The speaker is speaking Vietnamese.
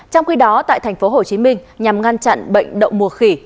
trong khi đó tại tp hcm nhằm ngăn chặn bệnh đậu mùa khỉ